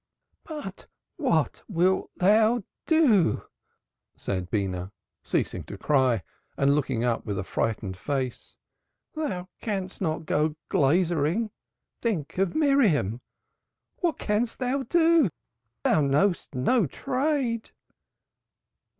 "But what wilt thou do?" said Beenah, ceasing to cry and looking up with affrighted face. "Thou canst not go glaziering. Think of Miriam. What canst thou do, what canst thou do? Thou knowest no trade!"